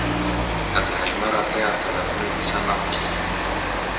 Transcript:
Ez hejmara te ya telefonê dîsa napirsim.